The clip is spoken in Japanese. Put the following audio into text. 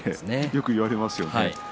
よく言われますよね。